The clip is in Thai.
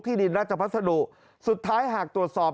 ดินราชพัสดุสุดท้ายหากตรวจสอบ